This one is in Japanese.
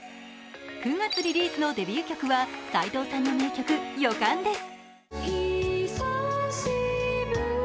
９月リリースのデビュー曲は斉藤さんの名曲「予感」です。